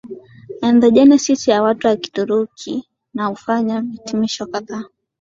ethnogenesis ya watu wa Kituruki na hufanya hitimisho kadhaa